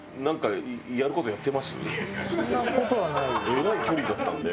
えらい距離だったんで。